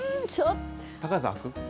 高橋さんはく？